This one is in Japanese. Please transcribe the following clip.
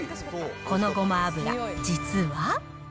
このごま油、実は。